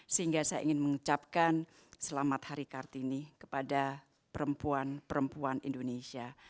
sehingga saya ingin mengucapkan selamat hari kartini kepada perempuan perempuan indonesia